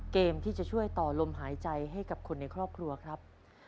เกมที่จะช่วยต่อลมหายใจให้กับคนในครอบครัวครับ